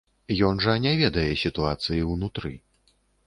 Ён жа не ведае сітуацыі ўнутры.